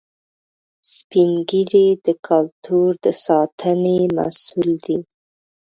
سپین ږیری د کلتور د ساتنې مسؤل دي